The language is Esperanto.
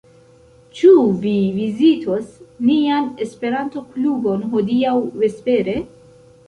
Ĉu vi vizitos nian Esperanto-klubon hodiaŭ vespere?